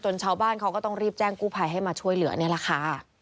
ชาวบ้านเขาก็ต้องรีบแจ้งกู้ภัยให้มาช่วยเหลือนี่แหละค่ะ